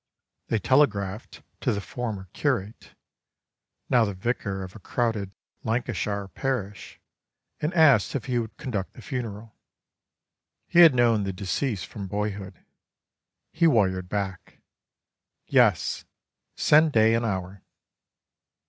They telegraphed to the former curate (now the vicar of a crowded Lancashire parish) and asked if he would conduct the funeral; he had known the deceased from boyhood. He wired back: "Yes; send day and hour."